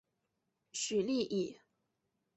许力以。